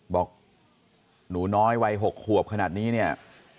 บอกหนูน้อยวัย๖ขวบขนาดนี้เนี่ย